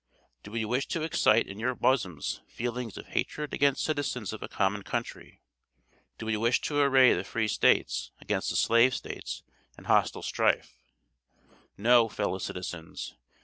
Do we wish to excite in your bosoms feelings of hatred against citizens of a common country? Do we wish to array the Free states against the Slave states in hostile strife? No, fellow citizens.